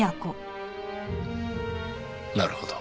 なるほど。